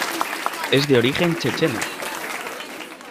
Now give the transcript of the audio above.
Es de origen checheno.